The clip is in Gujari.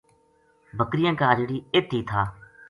بکریاں کا اجڑی ات ہی تھا